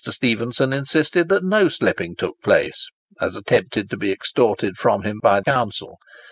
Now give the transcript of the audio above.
Stephenson insisted that no slipping took place, as attempted to be extorted from him by the counsel.